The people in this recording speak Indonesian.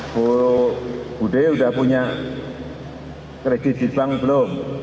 bu budelastri sudah punya kredit di bank belum